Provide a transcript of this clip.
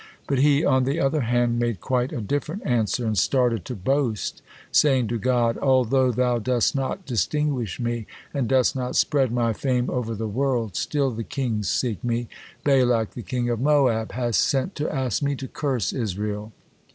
But he, on the other hand, made quite a different answer and started to boast, saying to God: "Although Thou dost not distinguish me, and dost not spread my fame over the world, still the kings seek me: Balak, the king of Moab, hath sent to ask me to curse Israel."